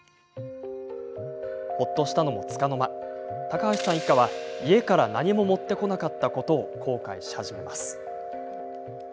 ほっとしたのも、つかの間高橋さん一家は、家から何も持ってこなかったことを後悔し始めます。